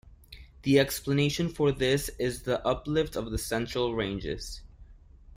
The explanation for this is the uplift of the central ranges.